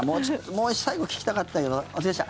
もうちょっと最後聞きたかったけどお疲れっした。